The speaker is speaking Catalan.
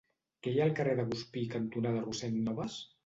Què hi ha al carrer Guspí cantonada Rossend Nobas?